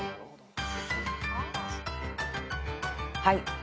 はい。